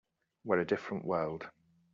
We're a different world.